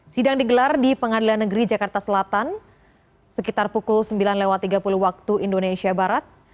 sidang digelar di pengadilan negeri jakarta selatan sekitar pukul sembilan tiga puluh waktu indonesia barat